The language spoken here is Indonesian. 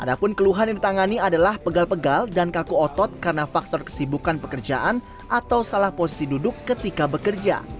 adapun keluhan yang ditangani adalah pegal pegal dan kaku otot karena faktor kesibukan pekerjaan atau salah posisi duduk ketika bekerja